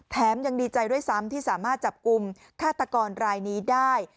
ยังดีใจด้วยซ้ำที่สามารถจับกลุ่มฆาตกรรายนี้ได้